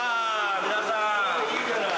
皆さん。